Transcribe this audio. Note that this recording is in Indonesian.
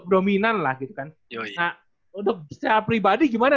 dominan lah gitu kan